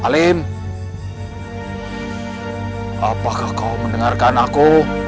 alim apakah kau mendengarkan aku